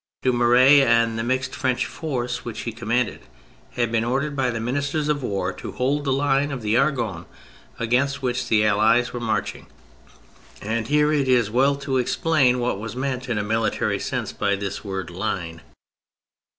Dumouriez and the mixed French force which he commanded had been ordered by the Ministers of War to hold the line of the Argonne against which the Allies were marching. And here it is well to explain what was meant in a military sense by this word " line."